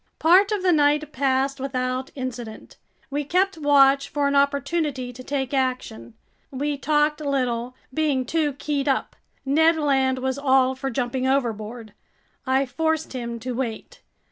Part of the night passed without incident. We kept watch for an opportunity to take action. We talked little, being too keyed up. Ned Land was all for jumping overboard. I forced him to wait.